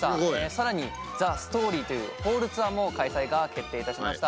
さらに「ＴＨＥＳＴＯＲＹ」というホールツアーも開催が決定いたしました。